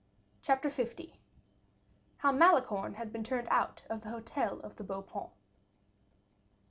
Chapter L: How Malicorne Had Been Turned Out of the Hotel of the Beau Paon.